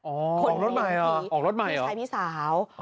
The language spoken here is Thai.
อ๋อออกรถใหม่ออกรถใหม่พี่ชายพี่สาว